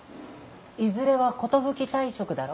いずれは寿退職だろ？